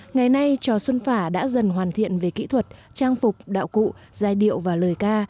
ngày nay trò xuân phả đã dần hoàn thiện về kỹ thuật trang phục đạo cụ giai điệu và lời ca